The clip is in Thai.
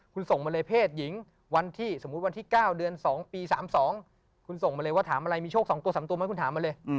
๒คุณส่งมาเลยว่าถามอะไรมีโชค๒๓ตัวไหมคุณถามมาเลย